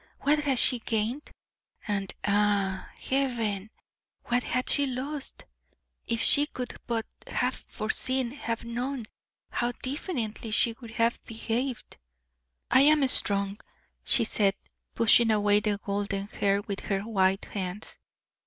What had she gained? And ah, Heaven! what had she lost? If she could but have foreseen, have known, how differently she would have behaved. "I am strong," she said, pushing away the golden hair with her white hands.